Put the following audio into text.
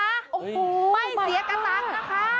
ไม่เสียกระตั้งนะคะ